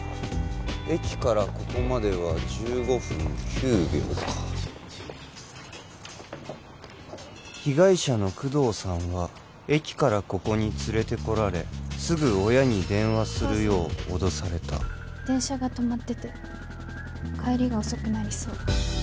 駅からここまでは１５分９秒か被害者の工藤さんは駅からここに連れて来られすぐ親に電話するよう脅された電車が止まってて帰りが遅くなりそう